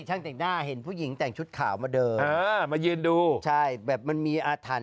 เธอเห็นแบบมีอาถรรพ์